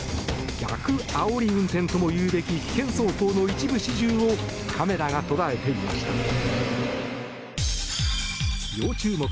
逆あおり運転ともいうべき危険走行の一部始終をカメラが捉えていました。